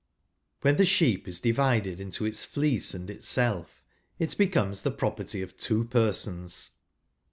When the sheep is divided into its fleece and itself, it becomes the property of two persons.